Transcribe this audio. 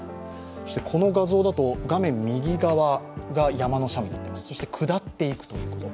そしてこの画像だと画面右側が山の斜面、下っていくということ。